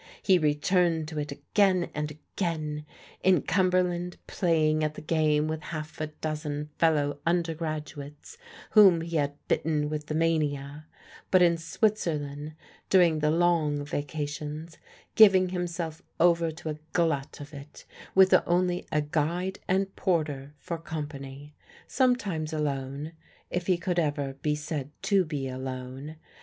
He returned to it again and again, in Cumberland playing at the game with half a dozen fellow undergraduates whom he had bitten with the mania; but in Switzerland during the Long vacations giving himself over to a glut of it, with only a guide and porter for company sometimes alone, if he could ever be said to be alone.